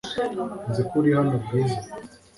Nzi ko uri hano, Bwiza .